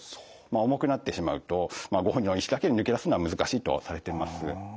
重くなってしまうとご本人の意志だけで抜け出すのは難しいとされています。